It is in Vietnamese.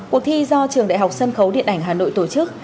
cuộc thi do trường đại học sân khấu điện ảnh hà nội tổ chức